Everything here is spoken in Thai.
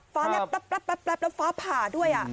ฟ้าลัปแล้วฟ้าผ่าด้วยอ่ะ